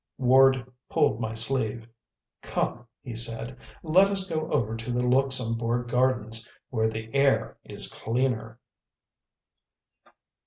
Ward pulled my sleeve. "Come," he said, "let us go over to the Luxembourg gardens where the air is cleaner."